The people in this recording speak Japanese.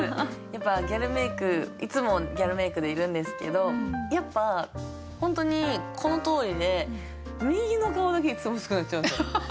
やっぱギャルメイクいつもギャルメイクでいるんですけどやっぱ本当にこのとおりで右の顔だけいつも薄くなっちゃうんですよ。